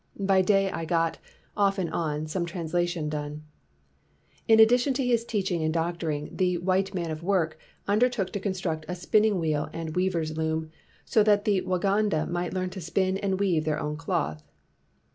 By day I got, off and on, some translation done." In addition to his teaching and doctoring, the "white man of work" undertook to con struct a spinning wheel and weaver's loom 251 WHITE MAN OF WORK so that the Waganda might learn to spin and to weave their own cloth.